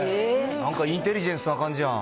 なんかインテリジェンスな感じやん。